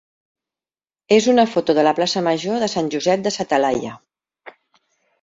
és una foto de la plaça major de Sant Josep de sa Talaia.